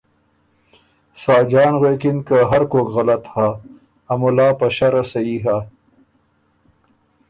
ساجان غوېکِن که ”هرکوک غلط هۀ، ا مُلا په شرع صحیح هۀ“۔